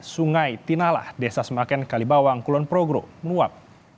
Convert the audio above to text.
sungai tinalah desa semaken kalibawang kulon progro meluap